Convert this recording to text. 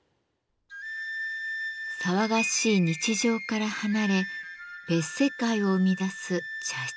騒がしい日常から離れ別世界を生み出す茶室の窓。